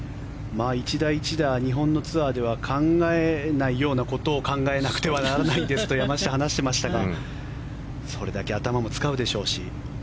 １打１打日本のツアーでは考えないようなことを考えなくてはならないんですと山下は話していましたがそれだけ頭も使うでしょうし。